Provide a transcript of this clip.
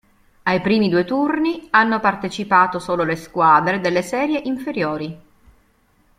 Ai primi due turni hanno partecipato solo le squadre delle serie inferiori.